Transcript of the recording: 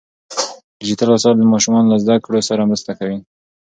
ډیجیټل وسایل ماشومان له زده کړو سره مرسته کوي.